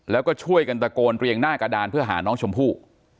แล้วก็ช่วยกันตะโกนเรียงหน้ากระดานเพื่อหาน้องชมพู่